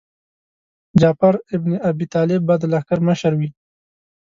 جعفر ابن ابي طالب به د لښکر مشر وي.